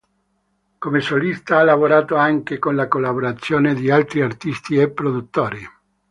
Come solista ha lavorato anche con la collaborazione di altri artisti e produttori.